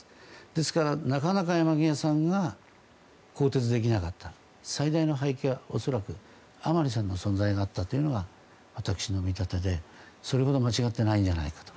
ですから、なかなか山際さんが更迭できなかった最大の背景は甘利さんの存在があったというのが私の見立てでそれほど間違っていないんじゃないかと。